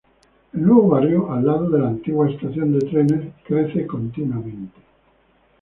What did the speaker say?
El nuevo barrio al lado de la antigua estación de trenes crece continuamente.